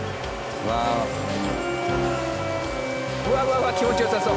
うわうわうわ気持ち良さそう。